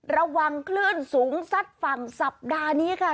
ระวังคลื่นสูงซัดฝั่งสัปดาห์นี้ค่ะ